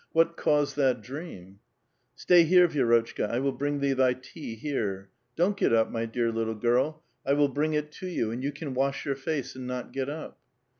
what caused that dream ?"'' Stay here, Vi^rotchka ; I will bring thee thy tea here. Don't get up, my dear little girl.^ I will bring it to you, and you can wash your face and not get up."